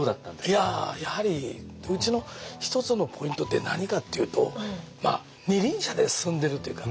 いややはりうちの一つのポイントって何かっていうとまあ二輪車で進んでいるというか。